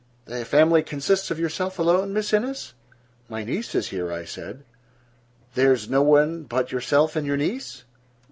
"The family consists of yourself alone, Miss Innes?" "My niece is here," I said. "There is no one but yourself and your niece?"